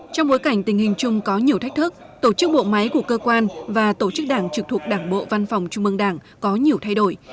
trong bối cảnh tình hình chung có nhiều thách thức tổ chức bộ máy của cơ quan và tổ chức đảng trực thuộc đảng bộ văn phòng trung mương đảng có nhiều thay đổi